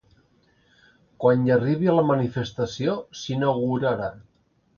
Quan hi arribi la manifestació, s’inaugurarà.